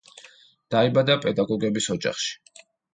დაიბადა პედაგოგების ოჯახში.